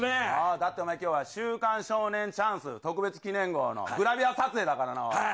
だってお前、きょうは週刊少年チャンス特別記念号のグラビア撮影だからな、おい。